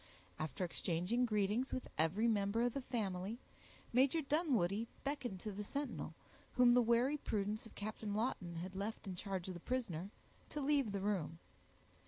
After exchanging greetings with every member of the family, Major Dunwoodie beckoned to the sentinel, whom the wary prudence of Captain Lawton had left in charge of the prisoner, to leave the room.